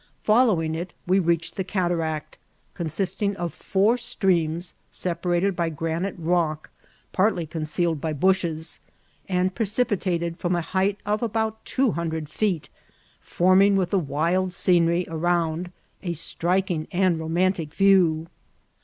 Following it, we reached the cataract, consisting of fonr streams sep arated by granite rock, partly concealed by bn^ea, and preeipated from a height of about two hundred feet, forming with the wild scenery around a striking and ro» mantic view.